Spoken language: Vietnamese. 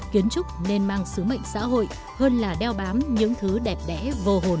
kiến trúc nên mang sứ mệnh xã hội hơn là đeo bám những thứ đẹp đẽ vô hồn